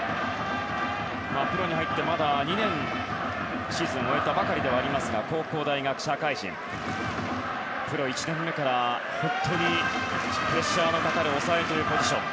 プロに入ってまだ２年シーズンを終えたばかりですが高校、大学、社会人プロ１年目から本当にプレッシャーのかかる抑えというポジション。